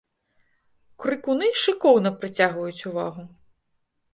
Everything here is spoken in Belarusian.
Крыкуны шыкоўна прыцягваюць увагу.